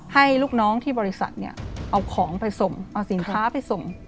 ให้ลูกน้องที่บริษัทเอาของไปส่งเอาสินค้าไปส่ง